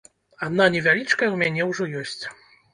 Адна невялічкая ў мяне ўжо ёсць.